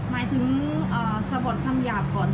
หมายถึงสะบดคำหยาบก่อน